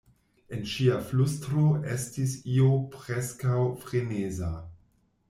En ŝia flustro estis io preskaŭ freneza.